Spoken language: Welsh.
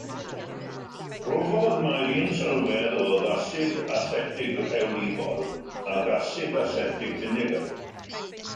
Profodd mai'r un sylwedd oedd asid asetig rhewlifol ac asid asetig finegr.